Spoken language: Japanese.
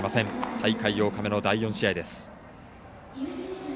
大会８日目の第４試合です。